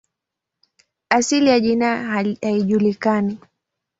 Asili ya jina haijulikani.